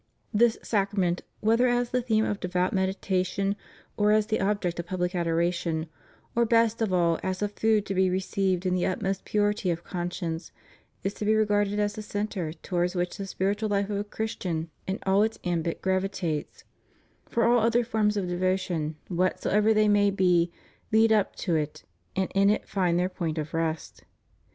This Sacrament, whether as the theme of devout meditation, or as the object of public adoration, or best of all as a food to be received in the utmost purity of conscience, is to be regarded as the centre towards which the spiritual life of a Christian in all its ambit gravitates; for all other forms of devotion, whatsoever they may be, lead up to it, and in it find their point of rest.